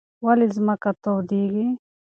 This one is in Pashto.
ولې ځمکه تودېږي؟